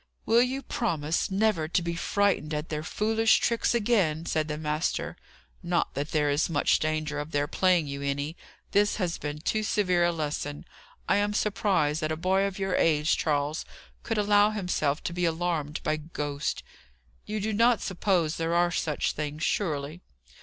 "Will you promise never to be frightened at their foolish tricks again?" said the master. "Not that there is much danger of their playing you any: this has been too severe a lesson. I am surprised that a boy of your age, Charles, could allow himself to be alarmed by 'ghosts.' You do not suppose there are such things, surely?"